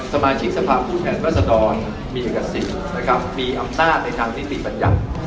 สมาชิกสภาพภูเขตรัศดรมีอากาศสิทธิ์มีอำนาจในทางนิษฐีประถม